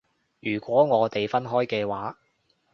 如果我哋分開嘅話